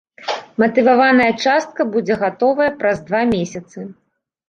Матываваная частка будзе гатовая праз два месяцы.